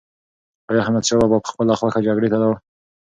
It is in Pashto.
ایا احمدشاه بابا په خپله خوښه جګړې ته لاړ؟